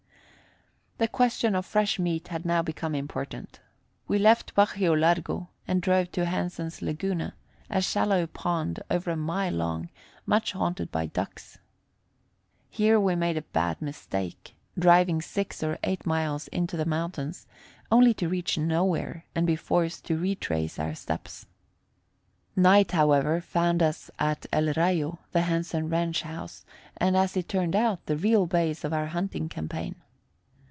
The question of fresh meat had now become important. We left Bajio Largo and drove to Hansen's Laguna, a shallow pond over a mile long, much haunted by ducks. Here we made a bad mistake, driving six or eight miles into the mountains, only to reach nowhere and be forced to retrace our steps. Night, however, found us at El Rayo, the Hansen ranch house, and, as it turned out, the real base of our hunting campaign.